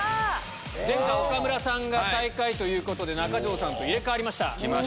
前回岡村さんが最下位で中条さんと入れ替わりました。